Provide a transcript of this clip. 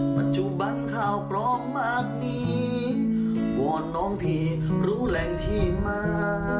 ปัจจุบันข่าวปลอมมากมีวอนน้องพี่รู้แหล่งที่มา